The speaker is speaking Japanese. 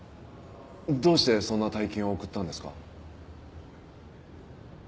どうしてそんな大金を送ったんですか？